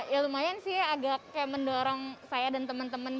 ya lumayan sih agak kayak mendorong saya dan teman teman